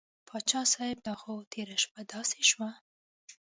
پاچا صاحب دا خو تېره شپه داسې شوه.